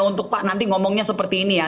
untuk pak nanti ngomongnya seperti ini ya